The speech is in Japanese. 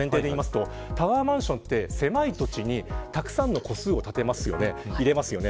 タワーマンションは狭い土地にたくさんの戸数を入れますよね。